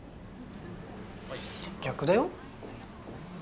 逆だよ